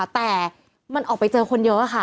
แต่มันออกไปเจอคนเยอะค่ะ